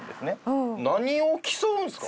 何を競うんですか？